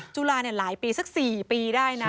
จุฬาหลายปีสัก๔ปีได้นะ